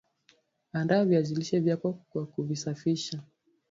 Andaa viazi lishe vyako kwa kuvisafisha